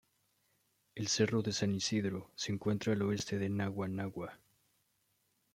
El Cerro San Isidro se encuentra al oeste de Naguanagua.